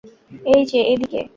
এই যে, এদিকে!